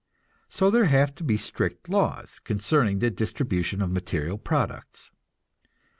So there have to be strict laws concerning the distribution of material products.